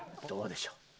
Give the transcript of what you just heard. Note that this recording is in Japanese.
どうでしょう？